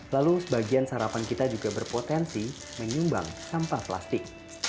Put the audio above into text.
lalu sebagian sarapan kita juga berpotensi menyumbang sampah plastik